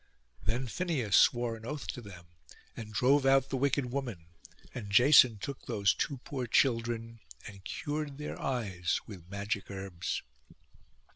Then Phineus swore an oath to them, and drove out the wicked woman; and Jason took those two poor children, and cured their eyes with magic herbs.